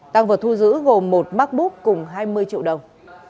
tăng vật thu giữ gồm một mắc bút cùng hai mươi triệu đồng